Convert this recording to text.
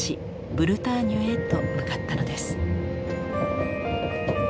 ブルターニュへと向かったのです。